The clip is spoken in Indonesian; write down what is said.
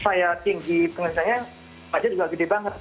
jadi kalau saya tinggi penghasilannya pajak juga gede banget